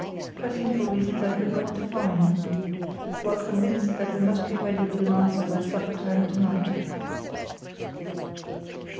—pressing for reasons I could not define, while convinced that we must be ready with an answer by supper time to night.